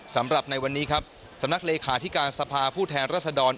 สำหรับในวันนี้ครับสำนักเลขาธิการสภาผู้แทนรัศดร